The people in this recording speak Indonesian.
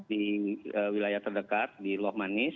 di wilayah terdekat di lok manis